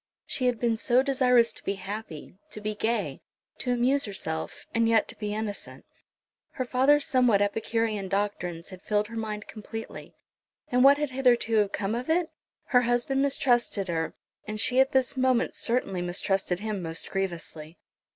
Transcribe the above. She had been so desirous to be happy, to be gay, to amuse herself, and yet to be innocent. Her father's somewhat epicurean doctrines had filled her mind completely. And what had hitherto come of it? Her husband mistrusted her; and she at this moment certainly mistrusted him most grievously.